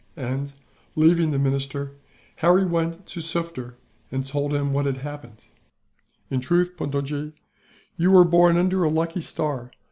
And, leaving the minister, Harry went to Sufder and told him what had happened. "In truth, Puntojee, you were born under a lucky star.